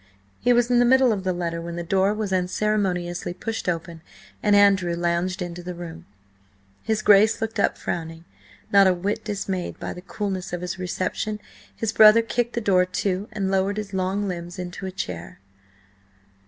He was in the middle of the letter when the door was unceremoniously pushed open and Andrew lounged into the room. His Grace looked up frowning. Not a whit dismayed by the coolness of his reception, his brother kicked the door to and lowered his long limbs into a chair.